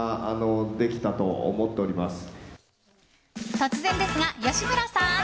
突然ですが、吉村さん！